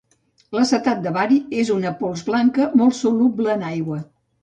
L'acetat de bari és una pols blanca, molt soluble en aigua.